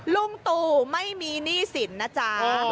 ลุงตู่ไม่มีหนี้สินนะจ๊ะ